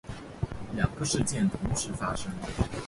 两个事件同时发生